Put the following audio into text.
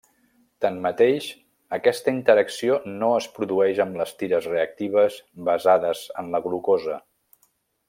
Tanmateix, aquesta interacció no es produeix amb les tires reactives basades en la glucosa.